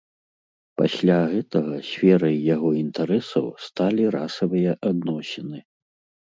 Пасля гэтага сферай яго інтарэсаў сталі расавыя адносіны.